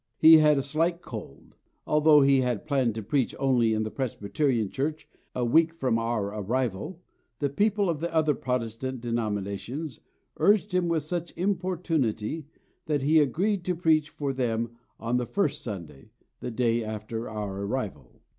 He had a slight cold. Although he had planned to preach only in the Presbyterian Church a week from our arrival, the people of the other Protestant denominations urged him with such importunity that he agreed to preach for them on the first Sunday, the day after our arrival.